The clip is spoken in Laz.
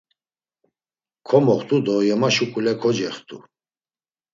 Komoxt̆u do yema şuǩule kocext̆u.